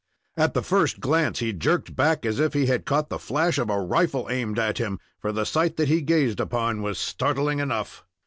At the first glance, he jerked back as if he had caught the flash of a rifle aimed at him, for the sight that he gazed upon was startling enough.